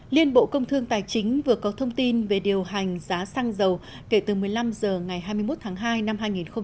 liên bộ công thương tài chính vừa có thông tin về điều hành giá xăng dầu kể từ một mươi năm h ngày hai mươi một tháng hai năm hai nghìn hai mươi